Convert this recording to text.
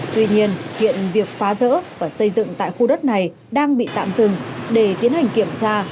tuy nhiên hiện việc phá rỡ và xây dựng tại khu đất này đang bị tạm dừng để tiến hành kiểm tra